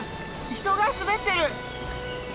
人が滑ってる！